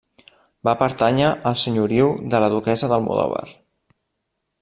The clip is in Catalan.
Va pertànyer al senyoriu de la duquessa d'Almodóvar.